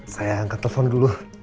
saya angkat telfon dulu